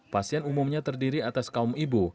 pasien umumnya terdiri atas kaum ibu